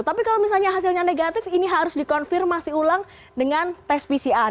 tapi kalau misalnya hasilnya negatif ini harus dikonfirmasi ulang dengan tes pcr